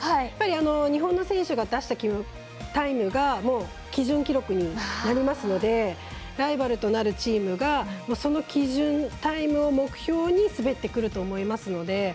やっぱり日本の選手が出したタイムがもう基準記録になりますのでライバルとなるチームがその基準タイムを目標に滑ってくると思いますので。